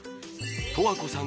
十和子さん